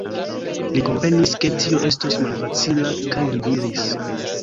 Li komprenis, ke tio estos malfacila kaj li diris: